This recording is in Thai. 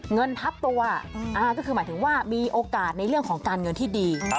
เงินทับตัวก็คือหมายถึงว่ามีโอกาสในเรื่องของการเงินที่ดี